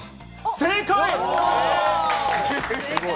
正解！